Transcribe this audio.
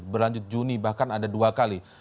berlanjut juni bahkan ada dua kali